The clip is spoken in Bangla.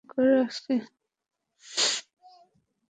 আমি কল করে চেক করে আসছি।